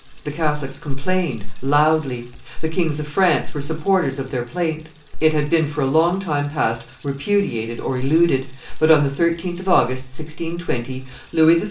The Catholics complained, loudly; the Kings of France were supporters of their plaint; it had been for a long time past repudiated or eluded; but on the 13th of August, 1620, Louis XIII.